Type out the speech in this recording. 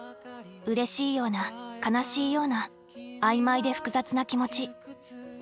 うれしいような悲しいような曖昧で複雑な気持ち。